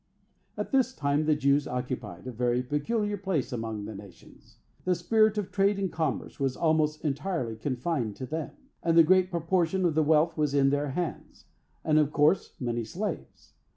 At this time the Jews occupied a very peculiar place among the nations. The spirit of trade and commerce was almost entirely confined to them, and the great proportion of the wealth was in their hands, and, of course, many slaves.